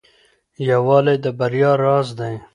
يووالی د بريا راز دی.